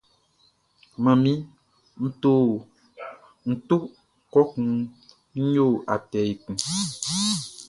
Manmi, nʼto kɔkun nʼyo atɛ ekun.